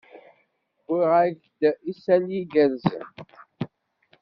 Wwiɣ-ak-d isali igerrzen.